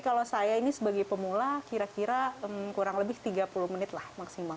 kalau saya ini sebagai pemula kira kira kurang lebih tiga puluh menit lah maksimal